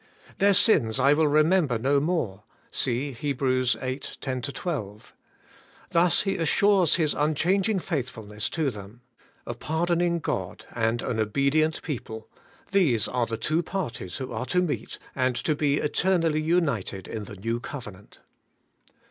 *Their sins I will remem ber no more' (see Heb. viii, 10 12) : thus He assures His unchanging faithfulness to them. A pardoning God and an obedient people : these are the two parties 224 ABIDE IN CHRIST: who are to meet and to be eternally united in the New Covenant.